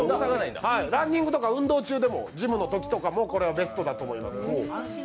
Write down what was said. ランニングとか、運動中もジムのときもこれはベストだと思います。